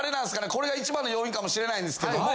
これが一番の要因かもしれないんですけども。